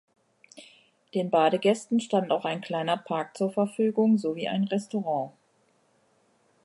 Den Badegästen stand auch ein kleiner Park zur Verfügung, sowie ein Restaurant.